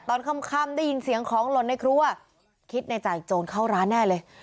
ตอนค่ำได้ยินเสียงของหล่นในครัวคิดในใจโจรเข้าร้านแน่เลย